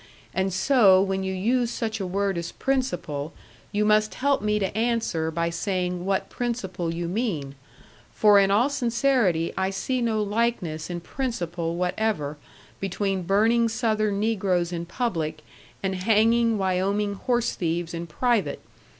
And so when you use such a word as principle, you must help me to answer by saying what principle you mean. For in all sincerity I see no likeness in principle whatever between burning Southern negroes in public and hanging Wyoming horse thieves in private.